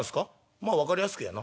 「まあ分かりやすく言やあな」。